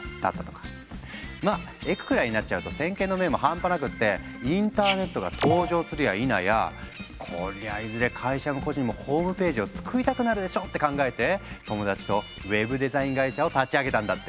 まあエクくらいになっちゃうと先見の明も半端なくってインターネットが登場するやいなや「こりゃいずれ会社も個人もホームページを作りたくなるでしょ」って考えて友達とウェブデザイン会社を立ち上げたんだって。